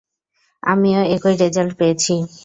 আমিও একই রেজাল্ট পেয়েছি।